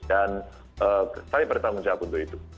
dan saya bertanggung jawab untuk itu